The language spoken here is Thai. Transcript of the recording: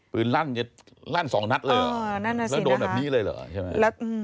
ลั่นจะลั่นสองนัดเลยเหรอแล้วโดนแบบนี้เลยเหรอใช่ไหม